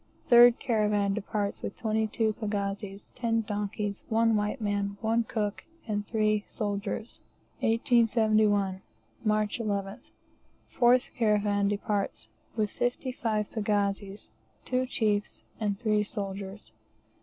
Third caravan departs with twenty two pagazis, ten donkeys, one white man, one cook, and three soldiers. 1871. March. 11. Fourth caravan departs with fifty five pagazis, two chiefs, and three soldiers.